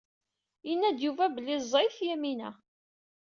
Yenna-d Yuba belli ẓẓayet Yamina.